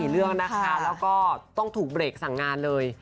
เรื่องนะคะแล้วก็ต้องถูกเบรกสั่งงานเลย